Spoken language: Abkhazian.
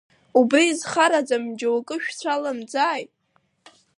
Убри изхараӡам џьоукы шәцәаламӡааит!